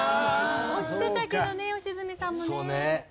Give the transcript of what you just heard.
押してたけどね良純さんもね。そうね。